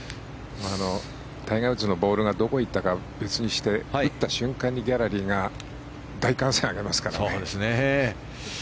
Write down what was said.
タイガー・ウッズのボールがどこに行ったかは別にして打った瞬間にギャラリーが大歓声を上げますからね。